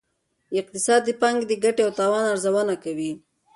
اقتصاد د پانګې د ګټې او تاوان ارزونه کوي.